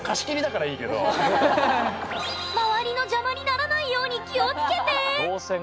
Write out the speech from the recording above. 周りの邪魔にならないように気を付けて！